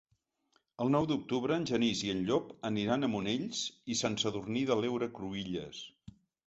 El nou d'octubre en Genís i en Llop aniran a Monells i Sant Sadurní de l'Heura Cruïlles.